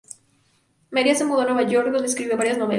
María se mudó a Nueva York, donde escribió varias novelas.